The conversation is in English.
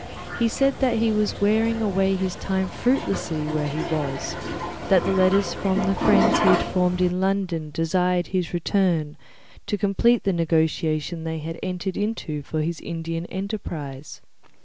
He said that he was wearing away his time fruitlessly where he was, that letters from the friends he had formed in London desired his return to complete the negotiation they had entered into for his Indian enterprise.